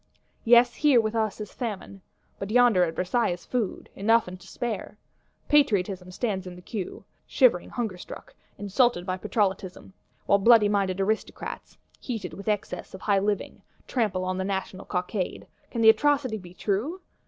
Yes, here with us is famine; but yonder at Versailles is food; enough and to spare! Patriotism stands in queue, shivering hungerstruck, insulted by Patrollotism; while bloodyminded Aristocrats, heated with excess of high living, trample on the National Cockade. Can the atrocity be true?